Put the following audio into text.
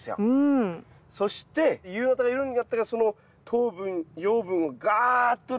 そして夕方から夜にかけてその糖分養分をガーッとですね